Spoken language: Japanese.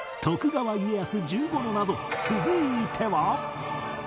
続いては